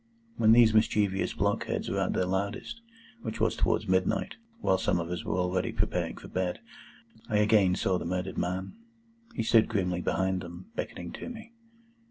When these mischievous blockheads were at their loudest, which was towards midnight, while some of us were already preparing for bed, I again saw the murdered man. He stood grimly behind them, beckoning to me.